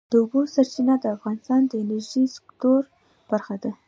د اوبو سرچینې د افغانستان د انرژۍ سکتور برخه ده.